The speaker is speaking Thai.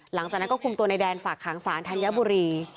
หลังจากนั้นก็คุมตัวในแดนฝากขังสารธัญบุรี